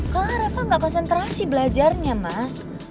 kalah reva gak konsentrasi belajarnya mas